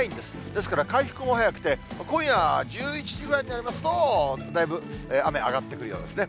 ですから回復も早くて、今夜１１時ぐらいになりますと、だいぶ雨、上がってくるようですね。